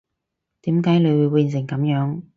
點解你會變成噉樣